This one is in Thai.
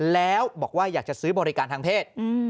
แล้วบอกว่าอยากจะซื้อบริการทางเพศ